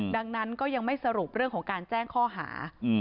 ดังนั้นก็ยังไม่สรุปเรื่องของการแจ้งข้อหา